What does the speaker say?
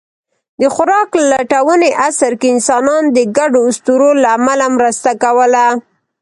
د خوراک لټوني عصر کې انسانان د ګډو اسطورو له امله مرسته کوله.